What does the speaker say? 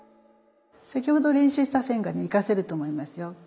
先ほど練習した線がね生かせると思いますよ。